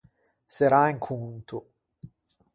Serrâ un conto.